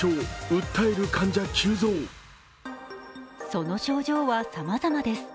その症状はさまざまです。